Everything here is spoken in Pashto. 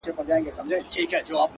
نظم وخت سپموي